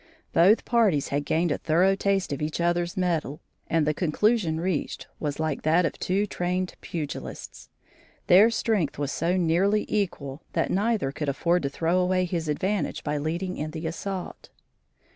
Both parties had gained a thorough taste of each other's mettle, and the conclusion reached was like that of two trained pugilists their strength was so nearly equal that neither could afford to throw away his advantage by leading in the assault.